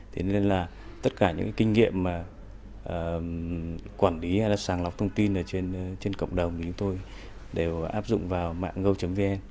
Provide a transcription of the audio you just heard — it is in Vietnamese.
thế nên là tất cả những kinh nghiệm quản lý hay là sàng lọc thông tin trên cộng đồng của chúng tôi đều áp dụng vào mạng go vn